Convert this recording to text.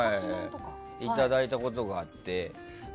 いただいたことがあって。